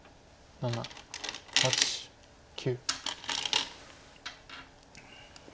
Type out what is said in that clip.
７８９。